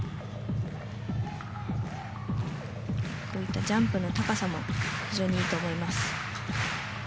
こういったジャンプの高さも非常にいいと思います。